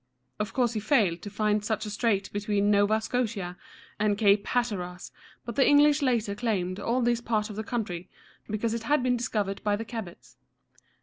Of course he failed to find such a strait between Nova Scotia and Cape Hat´ter as, but the English later claimed all this part of the country, because it had been discovered by the Cabots.